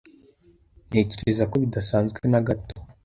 Ntekereza ko bidasanzwe na gato.